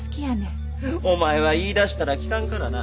お前は言いだしたら聞かんからな。